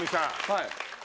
はい。